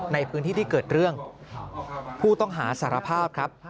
ในพื้นที่ที่เกิดเรื่องผู้ต้องหาสารภาพครับ